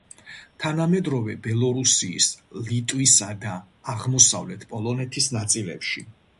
თანამედროვე ბელორუსიის, ლიტვისა და აღმოსავლეთ პოლონეთის ნაწილებში.